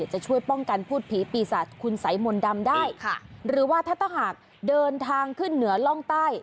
จะช่วยป้องกันพูดผีปีศาจคุณสายมนต์ดำได้ค่ะหรือว่าถ้าถ้าหากเดินทางขึ้นเหนือล่องใต้